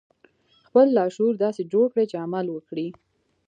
خپل لاشعور داسې جوړ کړئ چې عمل وکړي